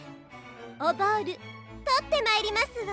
おボールとってまいりますわ。